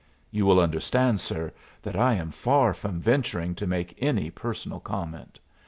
You will understand, sir, that I am far from venturing to make any personal comment.